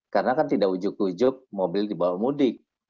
karena kan tidak ujuk ujuk mobil dibawa mudik